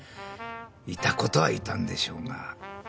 いた事はいたんでしょうが。